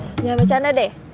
jangan bercanda deh